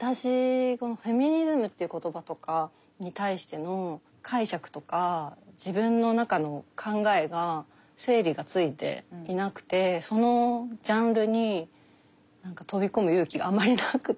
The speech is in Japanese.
私このフェミニズムという言葉とかに対しての解釈とか自分の中の考えが整理がついていなくてそのジャンルに飛び込む勇気があまりなくて。